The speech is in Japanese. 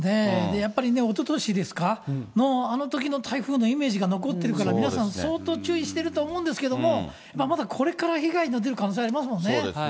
やっぱりね、おととしですか、あのときの台風のイメージが残ってるから、皆さん、相当注意してると思うんですけれども、まだこれから被害が出る可そうですね。